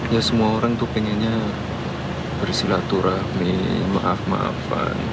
ya semua orang tuh pengennya bersilaturahmi maaf maafan